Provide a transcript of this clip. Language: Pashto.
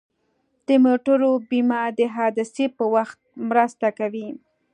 د موټرو بیمه د حادثې په وخت مرسته کوي.